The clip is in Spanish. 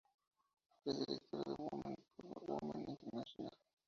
Es directora de Women for Women International.